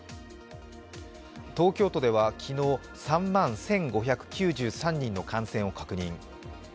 東京都では、昨日３万１５９３人の感染を確認。